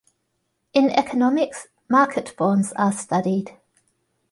In economics, market forms are studied.